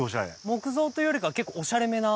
木造というよりかは結構オシャレめな。